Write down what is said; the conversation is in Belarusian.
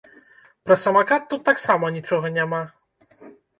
Пра самакат тут таксама нічога няма!